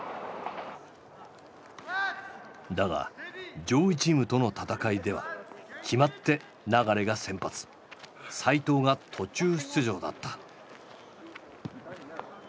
だが上位チームとの戦いでは決まって流が先発齋藤が途中出場だった。